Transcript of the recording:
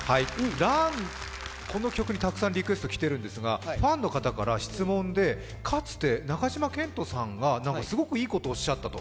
「ＲＵＮ」、この曲にたくさんリクエスト来てるんですがファンの方から質問でかつて中島健人さんがすごくいいことをおっしゃったと。